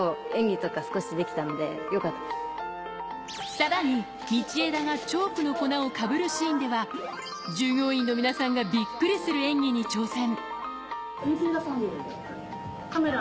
さらに道枝がチョークの粉をかぶるシーンでは、従業員の皆さんがびっくりする演技に挑戦。